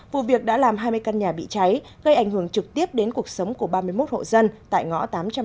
vụ việc đã làm hai mươi căn nhà bị cháy gây ảnh hưởng trực tiếp đến cuộc sống của ba mươi một hộ dân tại ngõ tám trăm bảy mươi